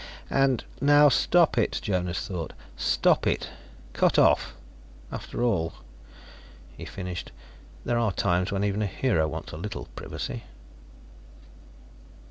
And " "Now, stop it," Jonas thought. "Stop it. Cut off. After all," he finished, "there are times when even a hero wants a little privacy."